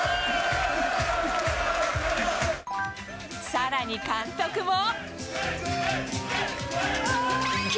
さらに監督も。